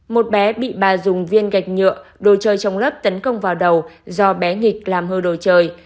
một bé bị bà dùng viên gạch nhựa đồ chơi trong lớp tấn công vào đầu do bé nghịch làm hư đồ chơi